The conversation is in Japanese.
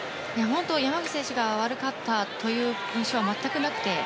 山口選手が悪かったという印象は全くなくて。